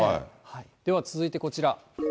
では続いてこちら。